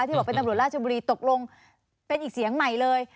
บอกเป็นตำรวจราชบุรีตกลงเป็นอีกเสียงใหม่เลย